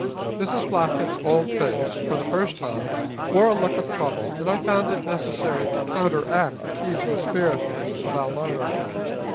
Mrs. Blackett's old face, for the first time, wore a look of trouble, and I found it necessary to counteract the teasing spirit of Almira.